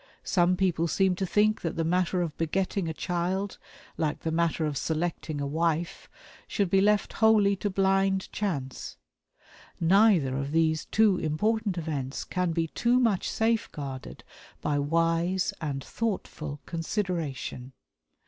Some people seem to think that the matter of begetting a child, like the matter of selecting a wife, should be left wholly to blind chance. Neither of these two important events can be too much safeguarded by wise and thoughtful consideration.